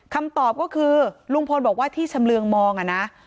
คำตอบก็คือลุงพลบอกว่าที่ชำเรืองมองอ่ะนะ